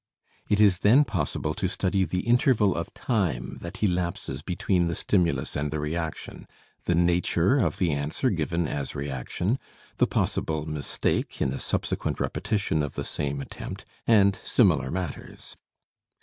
It is then possible to study the interval of time that elapses between the stimulus and the reaction, the nature of the answer given as reaction, the possible mistake in a subsequent repetition of the same attempt, and similar matters.